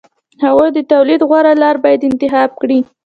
هغوی د تولید غوره لار باید انتخاب کړي